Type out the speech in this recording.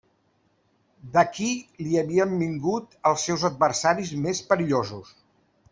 D'aquí li havien vingut els seus adversaris més perillosos.